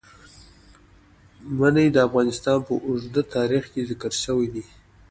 منی د افغانستان په اوږده تاریخ کې ذکر شوی دی.